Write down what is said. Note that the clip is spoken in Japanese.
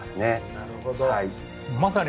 なるほど。